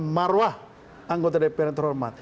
marwah anggota dpr yang terhormat